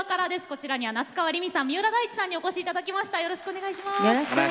こちらには夏川りみさん三浦大知さんにお越しいただきました。